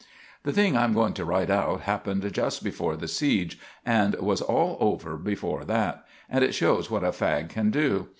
The thing I'm going to write out happened just before the seege, and was all over before that; and it shows what a fag can do.